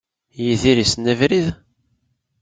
Yidir yessen abrid?